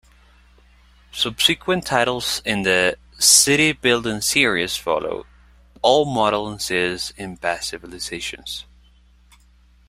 Subsequent titles in the "City Building Series" followed, all modeling cities in past civilizations.